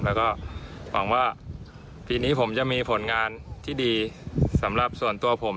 แล้วก็หวังว่าปีนี้ผมจะมีผลงานที่ดีสำหรับส่วนตัวผม